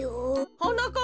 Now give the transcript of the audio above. はなかっ